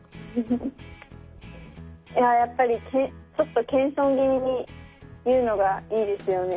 いややっぱりちょっと謙遜気味に言うのがいいですよね。